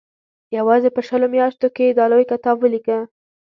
یوازې په شلو میاشتو کې یې دا لوی کتاب ولیکه.